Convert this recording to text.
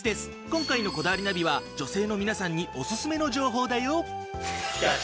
今回の『こだわりナビ』は女性の皆さんにオススメの情報だよ。